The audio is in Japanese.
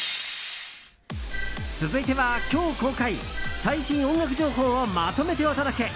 続いては今日公開最新音楽情報をまとめてお届け！